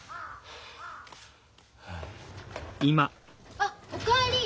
あっお帰り。